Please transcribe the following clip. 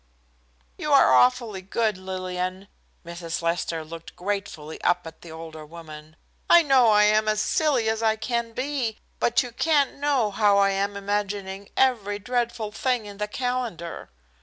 "You are awfully good, Lillian." Mrs. Lester looked gratefully up at the older woman. "I know I am as silly as I can be, but you can't know how I am imagining every dreadful thing in the calendar."